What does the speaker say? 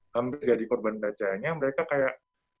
hampir jadi korban bacaannya mereka kayak